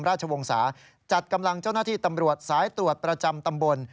ราชวงศาจัดกำลังเจ้าหน้าที่ตำรวจสายตรวจประจำตำบล